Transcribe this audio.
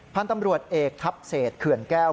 พันธุ์ตำรวจเอกทัพเศษเขื่อนแก้ว